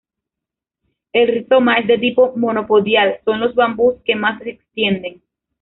El rizoma es de tipo monopodial, son los bambús que más se extienden.